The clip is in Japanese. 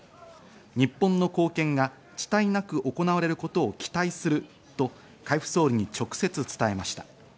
日本の貢献が遅滞なく行われることを期待すると海部総理に直接伝えました。